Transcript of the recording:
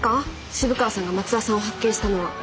渋川さんが松田さんを発見したのは。